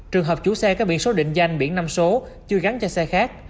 trường hợp chủ xe có biển số định danh biển năm số chưa gắn cho xe khác